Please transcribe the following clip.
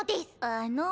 あの。